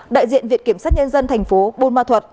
đại diện viện kiểm sát nhân dân thành phố bôn ma thuật